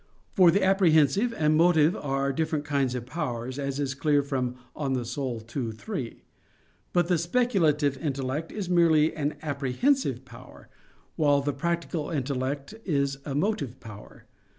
For the apprehensive and motive are different kinds of powers, as is clear from De Anima ii, 3. But the speculative intellect is merely an apprehensive power; while the practical intellect is a motive power.